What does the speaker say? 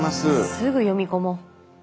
すぐ読み込もう。